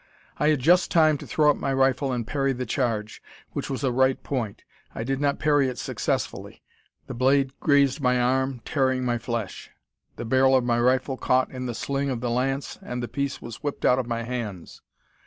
I had just time to throw up my rifle and parry the charge, which was a right point. I did not parry it successfully. The blade grazed my arm, tearing my flesh. The barrel of my rifle caught in the sling of the lance, and the piece was whipped out of my hands.